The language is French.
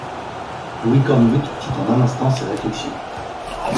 Louis Cornbutte fit en un instant ces réflexions.